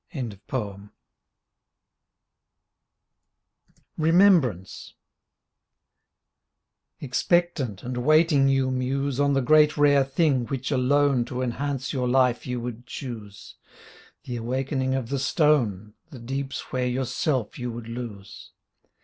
27 REMEMBRANCE Expectant and waiting you muse On the great rare thing which alone To enhance your Hfe you would choose: The awakening of the stone. The deeps where yourself you would lose.